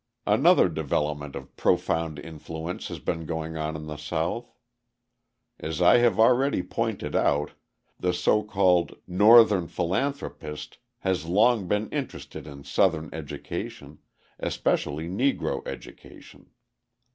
Another development of profound influence has been going on in the South. As I have already pointed out, the so called "Northern philanthropist" has long been interested in Southern education, especially Negro education.